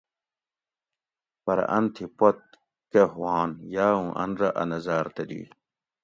پرہ ان تھی پت کہ ہوان یاۤ اوں ان رہ اۤ نظاۤر تلی